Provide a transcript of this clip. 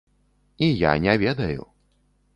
І я не ведаю.